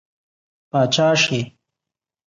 پاچا شي.